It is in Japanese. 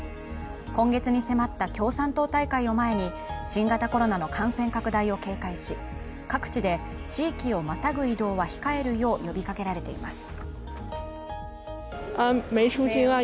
今月に迫った共産党大会を前に新型コロナの感染拡大を警戒し各地で地域をまたぐ移動は控えるよう呼びかけられています。